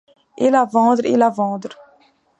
Île à vendre! île à vendre !